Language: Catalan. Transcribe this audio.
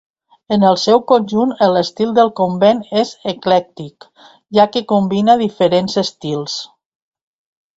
En el seu conjunt l'estil del convent és eclèctic, ja que combina diferents estils.